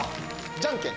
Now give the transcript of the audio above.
じゃんけん。